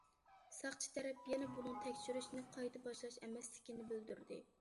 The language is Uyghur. ساقچى تەرەپ يەنە بۇنىڭ تەكشۈرۈشنى قايتا باشلاش ئەمەسلىكىنى بىلدۈردى.